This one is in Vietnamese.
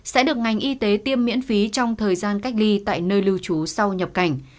sẽ được ngành y tế tiêm miễn phí trong thời gian cách ly tại nơi lưu trú sau nhập cảnh